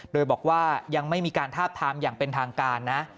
โดยบอกว่ายังไม่มีการทาบทามอย่างเป็นทางการนะ